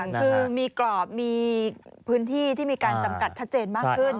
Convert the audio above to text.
คือมีกรอบมีพื้นที่ที่มีการจำกัดชัดเจนมากขึ้น